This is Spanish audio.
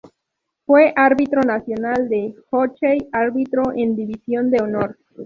Fue árbitro nacional de hockey, arbitró en División de Honor.